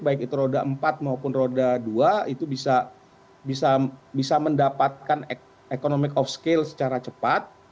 baik itu roda empat maupun roda dua itu bisa mendapatkan economic off scale secara cepat